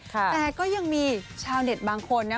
แต่ก็ยังมีชาวเน็ตบางคนนะ